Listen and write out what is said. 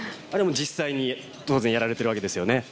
あれも実際に当然やられてるわけですよね。